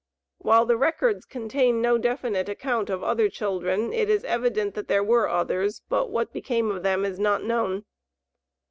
While the records contain no definite account of other children, it is evident that there were others, but what became of them is not known.